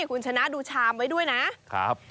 คุณชนะดูชามไว้ด้วยนะครับ